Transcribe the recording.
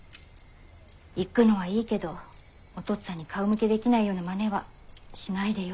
行くのはいいけどお父っつぁんに顔向けできないようなマネはしないでよ。